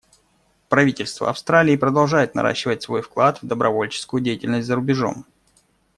Правительство Австралии продолжает наращивать свой вклад в добровольческую деятельность за рубежом.